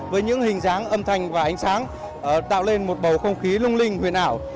với những hình dáng âm thanh và ánh sáng tạo lên một bầu không khí lung linh huyền ảo